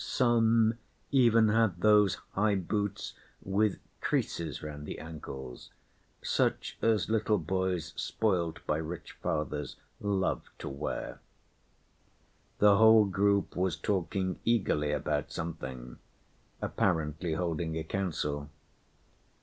Some even had those high boots with creases round the ankles, such as little boys spoilt by rich fathers love to wear. The whole group was talking eagerly about something, apparently holding a council.